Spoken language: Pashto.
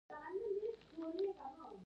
د جنوبي امریکا جنوب ختیځ سواحل هم سړ وي.